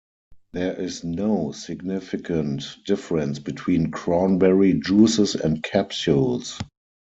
There is no significant difference between cranberry juices and capsules.